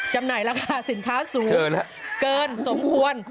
จำหน่ายราคาสินค้าสูงเกินสมควร